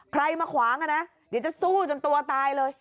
ใครมาขวางอ่ะนะเดี๋ยวจะสู้จนตัวตายเลย